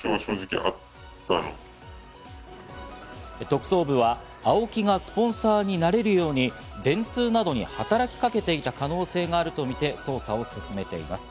特捜部はＡＯＫＩがスポンサーになれるように電通などに働きかけていた可能性があるとみて捜査を進めています。